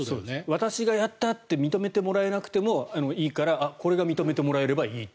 私がやったと認めてもらえなくてもいいからこれが認められればいいと。